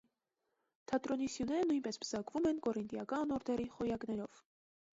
Թատրոնի սյուները նույնպես պսակվում են կորինտիական օրդերի խոյակներով։